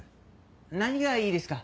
何がいいですか？